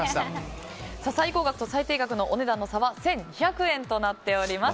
最高額と最低額のお値段の差は１２００円となっております。